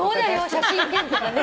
写真展とかね。